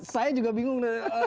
saya juga bingung